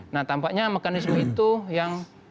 nah tampaknya mekanisme itu yang